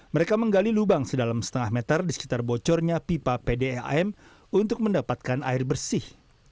mereka menggali lubang sedalam setengah meter di sekitar bocornya pipa pdam untuk mendapatkan air bersih